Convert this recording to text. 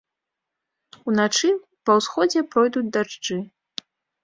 Уначы па ўсходзе пройдуць дажджы.